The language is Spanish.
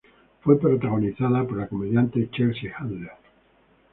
Fue protagonizado por la comediante Chelsea Handler.